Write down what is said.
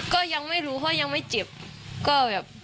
ก็ยังไม่รู้เพราะยังไม่เจ็บก็แบบ